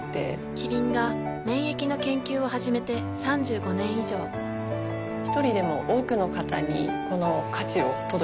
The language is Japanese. キリンが免疫の研究を始めて３５年以上一人でも多くの方にこの価値を届けていきたいと思っています。